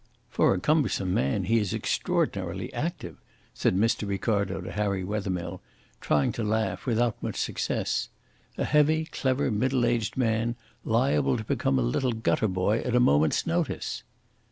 "For a cumbersome man he is extraordinarily active," said Mr. Ricardo to Harry Wethermill, trying to laugh, without much success. "A heavy, clever, middle aged man, liable to become a little gutter boy at a moment's notice."